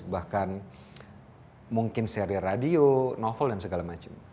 bahkan mungkin seri radio novel dan segala macam